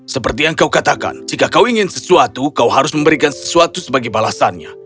seperti yang kau katakan jika kau ingin sesuatu kau harus memberikan sesuatu sebagai balasannya